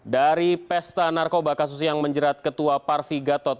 dari pesta narkoba kasus yang menjerat ketua parvi gatot